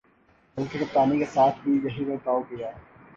بلکہ کپتانی کے ساتھ بھی یہی برتاؤ کیا۔